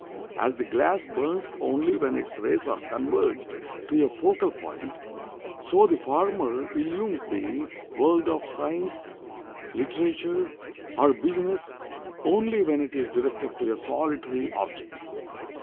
As the glass burns only when its rays are converged to a focal point, so the former illumes the world of science, literature, or business only when it is directed to a solitary object.